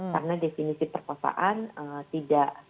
karena definisi perkosaan tidak